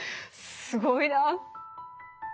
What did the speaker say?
すごいな。